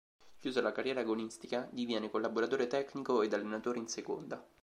Chiusa la carriera agonistica diviene collaboratore tecnico ed allenatore in seconda.